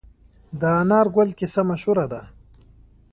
د انار ګل کیسه مشهوره ده.